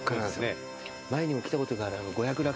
前にも来たことがある。